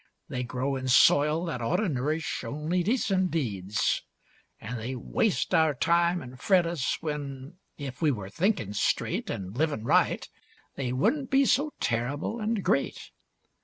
They grow in soil that oughta nourish only decent deeds, An' they waste our time an' fret us when, if we were thinkin' straight An' livin' right, they wouldn't be so terrible and great.